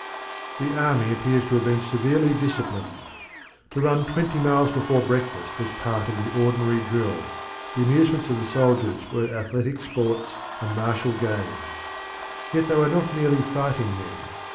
The Army appears to have been severely disciplined. To run twenty miles before breakfast was part of the ordinary drill. The amusements of the soldiers were athletic sports and martial games. Yet they were not merely fighting men.